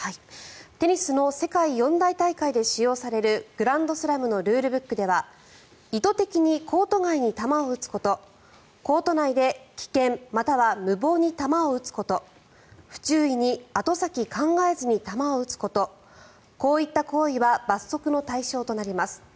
テニスの世界四大大会で使用されるグランドスラムのルールブックでは意図的にコート外に球を打つことコート内で危険、または無謀に球を打つこと不注意に後先考えずに球を打つことこういった行為は罰則の対象となります。